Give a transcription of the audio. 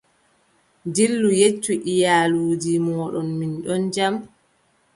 Dillu, yeccu iyaluuji mooɗon, min ɗon jam.